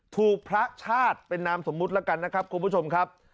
พระชาติเป็นนามสมมุติแล้วกันนะครับคุณผู้ชมครับ